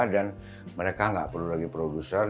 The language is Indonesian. dan mereka gak perlu lagi produser